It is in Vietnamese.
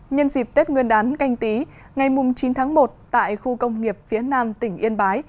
nhân dịp tết nguyên đán canh tí ngày chín tháng một tại khu công nghiệp phía nam tỉnh yên bái